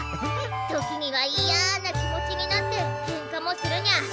時にはいやな気持ちになってケンカもするにゃ。